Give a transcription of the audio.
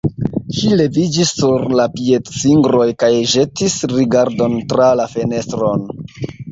Ŝi leviĝis sur la piedfingroj kaj ĵetis rigardon tra la fenestron.